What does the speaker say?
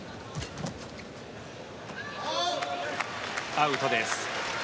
アウトです。